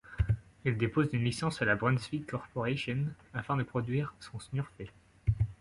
Il dépose une licence à la Brunswick Corporation afin de produire son snurfer.